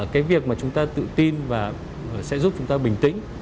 cái việc mà chúng ta tự tin và sẽ giúp chúng ta bình tĩnh